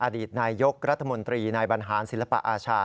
อดีตนายยกรัฐมนตรีนายบรรหารศิลปะอาชา